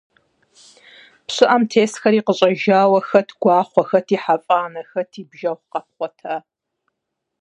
ПщыӀэм тесхэри къыщӀэжауэ, хэт гуахъуэ, хэти хьэфӀанэ, хэти бжьэгъу къапхъуатэ.